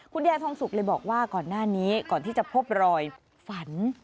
ยายทองสุกเลยบอกว่าก่อนหน้านี้ก่อนที่จะพบรอยฝัน